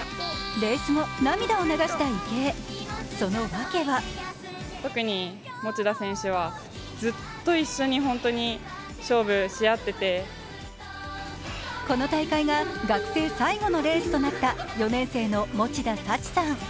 レース後、涙を流した池江、そのわけはこの大会が学生最後のレースとなった４年生の持田早智さん。